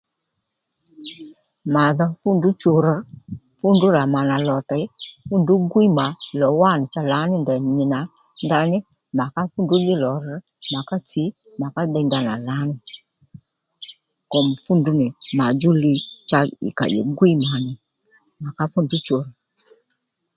Mà dho fú ndrǔ chuw rr̀ fú ndrǔ rà mà nà lò tèy fú ndrǔ gwíy mà lò wánì cha lǎní ndèynì nì nà ndaní mà ká fú ndrǔ dhí lò rr̀ mà ká tsì mà ká déy ndanà lǎní kùm fú ndrǔ nì mà djú li cha ì kà ì gwíy mà nì mà ká fú ndrǔ chuw rr̀